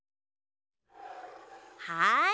はい。